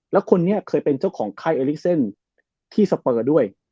แล้วคนนี้เคยเป็นเจ้าของไข้เอลิเซนที่สเปอร์ด้วย